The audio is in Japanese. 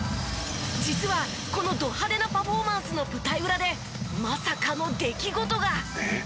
実はこのド派手なパフォーマンスの舞台裏でまさかの出来事が。